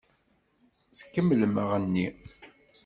Kemmlem aɣenni!